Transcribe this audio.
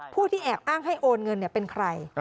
ผู้ที่แอบอ้างให้โอนเงินเป็นใคร